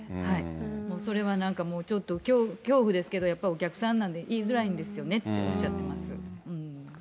もうそれはなんかちょっと恐怖ですけど、やっぱお客さんなんで、言いづらいんですよねっておっしゃってます。